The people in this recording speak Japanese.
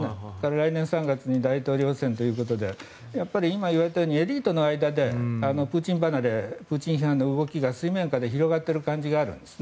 来年３月に大統領選挙ということで今言われたようにエリートの間でプーチン離れプーチン批判の動きが水面下で広がってる感じがあるんです。